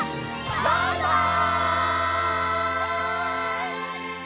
バイバイ！